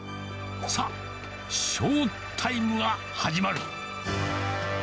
さあ、ショータイムが始まる。